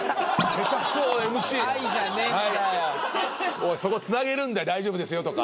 おいそこつなげるんだよ「大丈夫ですよ」とか。